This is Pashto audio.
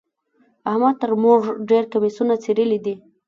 احمد تر موږ ډېر کميسونه څيرلي دي.